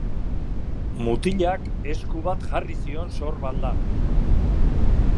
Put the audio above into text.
Mutilak esku bat jarri zion sorbaldan.